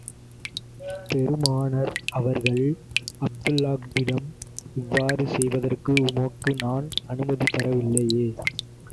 பெருமானார் அவர்கள் அப்துல்லாஹ்விடம் இவ்வாறு செய்வதற்கு உமக்கு நான் அனுமதி தரவில்லையே?